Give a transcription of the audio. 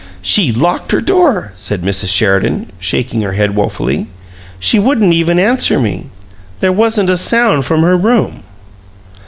"She locked her door," said Mrs. Sheridan, shaking her head woefully. "She wouldn't even answer me. They wasn't a sound from her room."